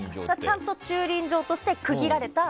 ちゃんと駐輪場として区切られた？